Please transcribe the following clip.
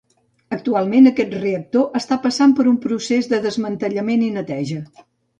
Actualment, aquest reactor està passant per un procés de desmantellament i neteja.